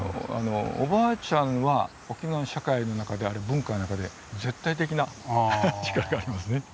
おばあちゃんは沖縄の社会の中で文化の中で絶対的な力がありますね。